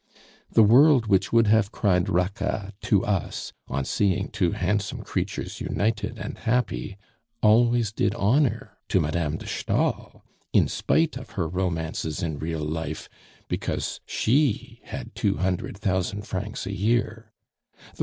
That world which would have cried Raca to us, on seeing two handsome creatures united and happy, always did honor to Madame de Stael, in spite of her 'romances in real life,' because she had two hundred thousand francs a year.